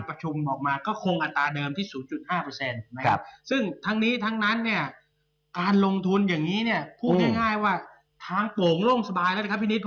โอ้โหก็มีระยะเวลาแฮปปิก